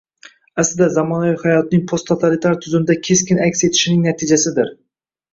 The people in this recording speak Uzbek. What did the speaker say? aslida, zamonaviy hayotning posttotalitar tuzumda keskin aks etishining natijasidir